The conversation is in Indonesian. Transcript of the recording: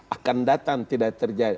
akan datang tidak terjadi